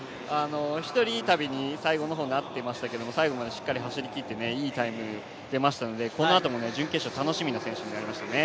１人旅に最後の方、なっていましたけど最後までしっかり走りきって、いいタイム出ましたのでこのあとも準決勝楽しみな選手になりましたね。